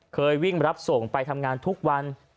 เคยวิ่งรับส่งไปทำงานทุกวัน